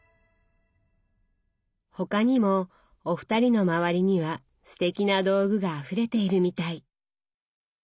他にもお二人の周りにはすてきな道具があふれているみたい。